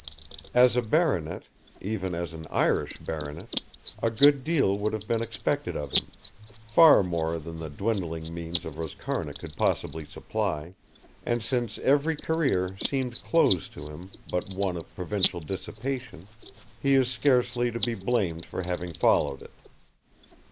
As a baronet even as an Irish baronet a good deal would have been expected of him, far more than the dwindling means of Roscarna could possibly supply, and since every career seemed closed to him but one of provincial dissipation he is scarcely to be blamed for having followed it.